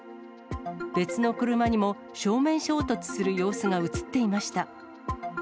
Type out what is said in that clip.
別の車にも、正面衝突する様子が写っていました。